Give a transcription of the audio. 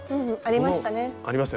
うんありましたね。